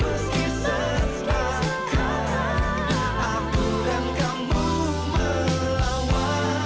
aku dan kamu melawan dunia